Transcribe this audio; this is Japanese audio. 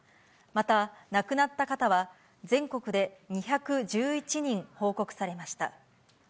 また、亡くなった方は全国で２１１人報告されました。